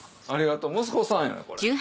息子さんやねんこれ。